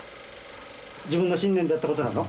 ・自分が信念でやったことなの？